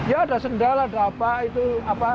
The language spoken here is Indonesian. ya ada sendal ada apa